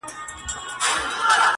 • نه محتاج د تاج او ګنج نه د سریر یم,